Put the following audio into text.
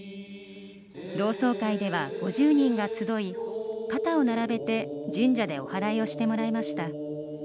同窓会では５０人が集い肩を並べて神社でおはらいをしてもらいました。